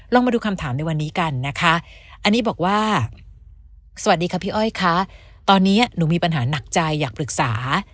มาดูคำถามในวันนี้กันนะคะอันนี้บอกว่าสวัสดีค่ะพี่อ้อยคะตอนนี้หนูมีปัญหาหนักใจอยากปรึกษา